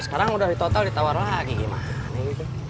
sekarang udah di total ditawar lagi gimana gitu